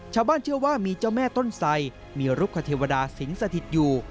ชาวบ้านเชื่อว่ามีเจ้าแม่ต้นไสมีรุกคเทวดาสิงสถิตอยู่